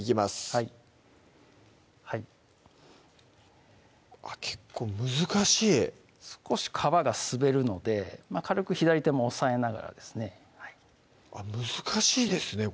はいはい結構難しい少し皮が滑るので軽く左手も押さえながらですね難しいですね